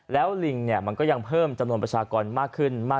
แล้วลิงเนี่ยมันก็ยังเพิ่มจำนวนประชากรมากขึ้นมาก